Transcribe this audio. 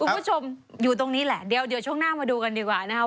คุณผู้ชมอยู่ตรงนี้แหละเดี๋ยวช่วงหน้ามาดูกันดีกว่านะครับ